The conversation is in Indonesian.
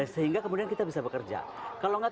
sehingga kemudian kita bisa bekerja kalau nggak